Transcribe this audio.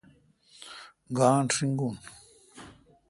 گانٹھ رینگون؟